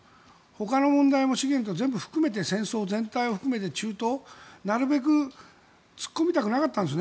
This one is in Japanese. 他の問題も資源も含めて戦争全体も含めて中東には、なるべく突っ込みたくなかったんです。